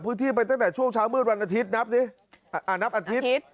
พื้นที่ไปตั้งแต่ช่วงเช้ามืดวันอาทิตย์นับสิอ่านับอาทิตย์อาทิตย์